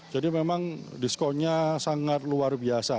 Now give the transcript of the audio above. jadi memang diskonnya sangat luar biasa